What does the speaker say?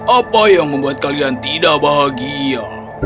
apa yang membuat kalian tidak bahagia